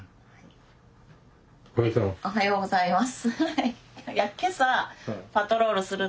おはようございます。